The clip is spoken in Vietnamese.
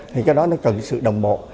thì cái đó nó cần sự đồng bộ